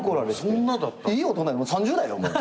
いい大人３０代だよもう。